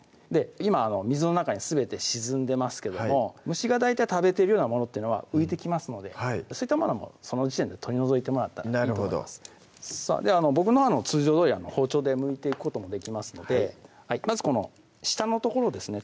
今水の中にすべて沈んでますけども虫が大体食べてるようなものは浮いてきますのでそういったものはその時点で取り除いてもらったらいいと思いますでは僕のは通常どおり包丁でむいていくこともできますのでまずこの下の所ですね